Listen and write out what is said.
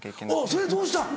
それどうした？